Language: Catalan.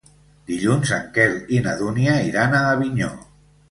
Dilluns en Quel i na Dúnia iran a Avinyó.